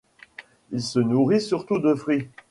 Il se nourrit surtout de fruits.